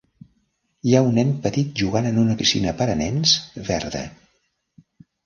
Hi ha un nen petit jugant en una piscina per a nens verda.